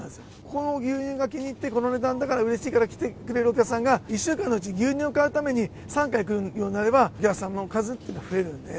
この牛乳が気に入って、この値段だからうれしいから来てくれるお客さんが１週間のうち、牛乳を買うために３回来るようになればお客さんの数っていうのは増えるんで。